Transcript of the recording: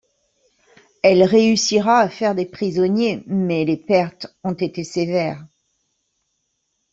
Elle réussira à faire des prisonniers, mais les pertes ont été sévères.